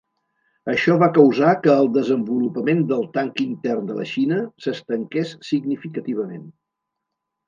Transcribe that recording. Això va causar que el desenvolupament del tanc intern de la Xina s'estanqués significativament.